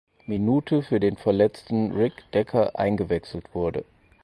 Minute für den verletzten Rick Dekker eingewechselt wurde.